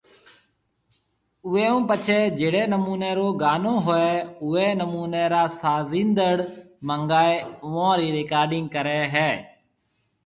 اوئي ھونپڇي جھڙي نموني رو گانو ھوئي اوئي نموني را سازيندڙ منگائي اوئون رِي رڪارڊنگ ڪري ھيَََ